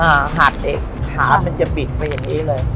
อ่าหัดเอกขามันจะบิดมาอย่างนี้เลย